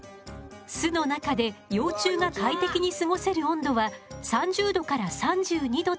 巣の中で幼虫が快適に過ごせる温度は３０度から３２度といわれているの。